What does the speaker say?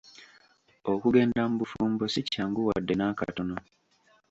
Okugenda mu bufumbo si kyangu wadde n'akatono.